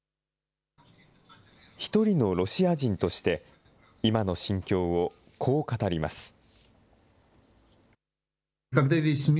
１人のロシア人として今の心境を、こう語ります。